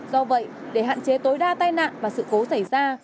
do vậy để hạn chế tối đa tai nạn và sự cố xảy ra